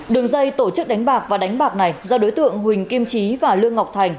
đường dây tổ chức đánh bạc và đánh bạc này do đối tượng huỳnh kim trí và lương ngọc thành